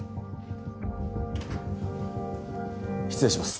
失礼します。